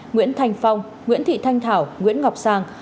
nguyễn thành phong nguyễn thị thanh thảo nguyễn ngọc sang